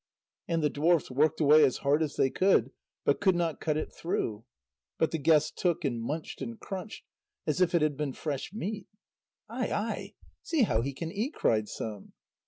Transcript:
And the dwarfs worked away as hard as they could, but could not cut it through. But the guest took and munched and crunched as if it had been fresh meat. "Ai, ai see how he can eat," cried some.